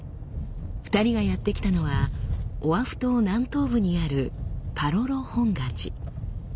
２人がやって来たのはオアフ島南東部にあるパロロ本願寺。